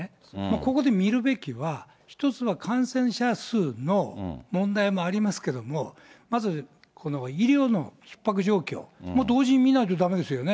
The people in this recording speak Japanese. ここで見るべきは、一つは感染者数の問題もありますけども、まずこの医療のひっ迫状況も同時に見なきゃだめですよね。